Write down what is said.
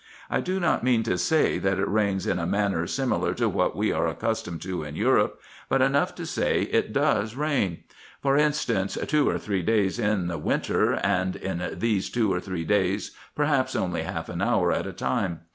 I do not mean to say that it rains in a manner similar to what we are accustomed to in Europe, but enough to say it does rain ; for instance, two or three days in the winter, and in these two or three days perhaps only half an hour at a time.